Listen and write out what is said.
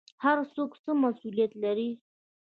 هر څوک څه مسوولیت لري؟